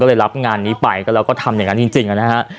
ก็เลยรับงานนี้ไปแล้วก็ทำแบบนี้จริงอะนะฮะ